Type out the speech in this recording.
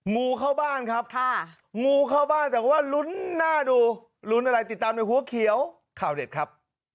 งูเข้าบ้านครับงูเข้าบ้านแต่ว่าลุ้นหน้าดูลุ้นอะไรติดตามในหัวเขียวข่าวเด็ดครับ